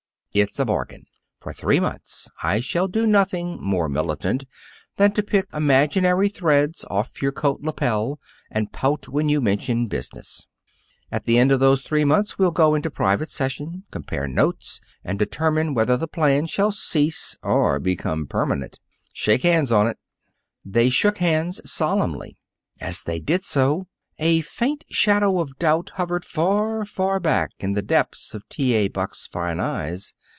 "It's a bargain. For three months I shall do nothing more militant than to pick imaginary threads off your coat lapel and pout when you mention business. At the end of those three months we'll go into private session, compare notes, and determine whether the plan shall cease or become permanent. Shake hands on it." They shook hands solemnly. As they did so, a faint shadow of doubt hovered far, far back in the depths of T. A. Buck's fine eyes.